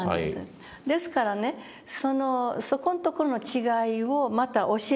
ですからねそこんとこの違いをまた教えてました。